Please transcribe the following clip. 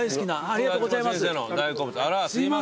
ありがとうございます。